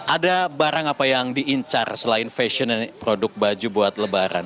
ada barang apa yang diincar selain fashion dan produk baju buat lebaran